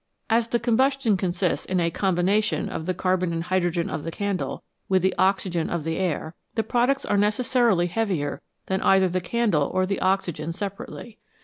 As the combustion consists in a combination of the carbon and hydrogen of the candle with the oxygen of the air, the products are necessarily heavier than either the candle or the oxygen separately.